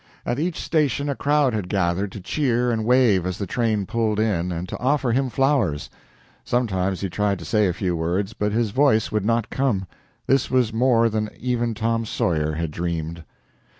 At each station a crowd had gathered to cheer and wave as the train pulled in and to offer him flowers. Sometimes he tried to say a few words, but his voice would not come. This was more than even Tom Sawyer had dreamed.